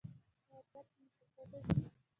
ایا درد مو پښو ته ځي؟